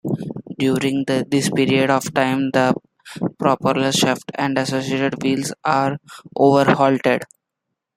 During this period of time the propeller shafting and associated wheels were overhauled.